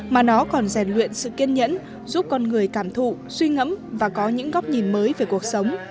mà nó còn rèn luyện sự kiên nhẫn giúp con người cảm thụ suy ngẫm và có những góc nhìn mới về cuộc sống